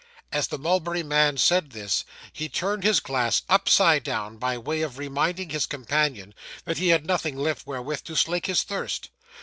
As the mulberry man said this, he turned his glass upside down, by way of reminding his companion that he had nothing left wherewith to slake his thirst.